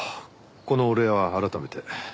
このお礼は改めて。